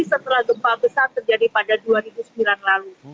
setelah gempa besar terjadi pada dua ribu sembilan lalu